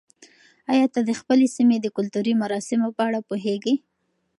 آیا ته د خپلې سیمې د کلتوري مراسمو په اړه پوهېږې؟